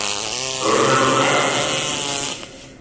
Torna el carro.